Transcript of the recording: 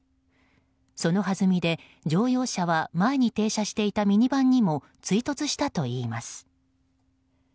そのはずみで、乗用車は前に停車していたミニバンにも追突したといいます。